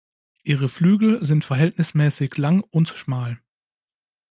Ihre Flügel sind verhältnismäßig lang und schmal.